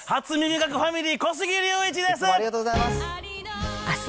初耳学ファミリー、小杉竜一です。